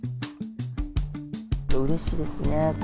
うれしいですね。